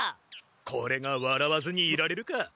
これがわらわずにいられるか。